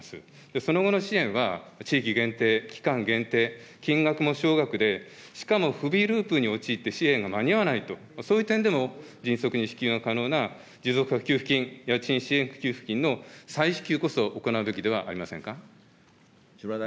その後の支援は、地域限定、期間限定、金額も少額で、しかも、不備ループに陥って、支援が間に合わないと、そういう点でも迅速に支給が可能な持続化給付金、家賃支援給付金の再支給こそ行うべきではありませんか。